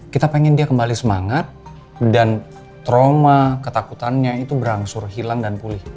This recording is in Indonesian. kita pengen dia kembali semangat dan trauma ketakutannya itu berangsur hilang dan pulih